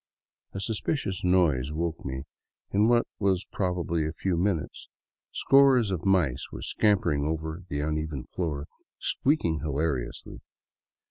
A suspicious noise woke me in what was probably a few minutes. Scores of m.ice were scampering over the uneven floor, squeaking hilariously.